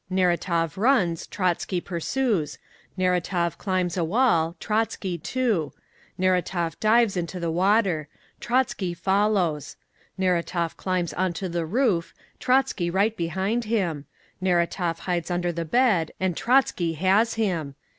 Neratov runs—Trotzky pursues; Neratov climbs a wall, Trotzky too; Neratov dives into the water—Trotzky follows; Neratov climbs onto the roof—Trotzky right behind him; Neratov hides under the bed—and Trotzky has him!